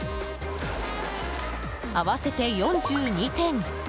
合わせて４２点。